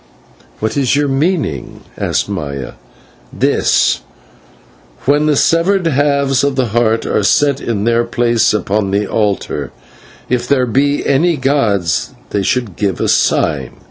"What is your meaning?" asked Maya. "This: When the severed halves of the Heart are set in their place upon the altar, if there be any gods they should give a sign.